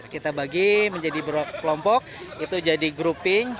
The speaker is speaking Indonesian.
kita bagi menjadi kelompok itu jadi grouping